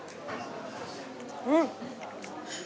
うん！